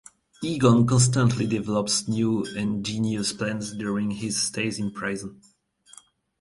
Egon constantly develops new and "genius" plans during his stays in prison.